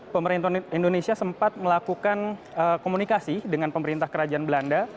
pemerintah indonesia sempat melakukan komunikasi dengan pemerintah kerajaan belanda